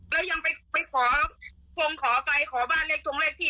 เรายังไปไปขอควงขอไฟขอบ้านเล็กถุงเล็กที่